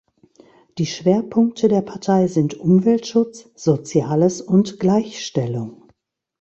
Die Schwerpunkte der Partei sind Umweltschutz, Soziales und Gleichstellung.